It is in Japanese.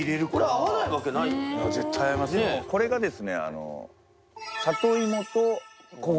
これがですね。